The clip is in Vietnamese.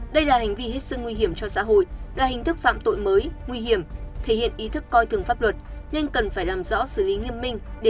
đây là hành vi hết sức nguy hiểm cho xã hội là hình thức phạm tội mới nguy hiểm thể hiện ý thức coi thường pháp luật